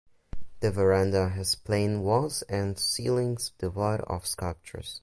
The verandah has plain walls and ceilings devoid of sculptures.